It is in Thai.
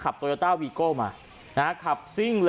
ก็แค่มีเรื่องเดียวให้มันพอแค่นี้เถอะ